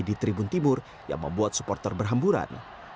di tribun timur yang membuat supporter berhamburan